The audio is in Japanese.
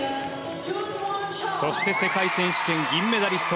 そして世界選手権銀メダリスト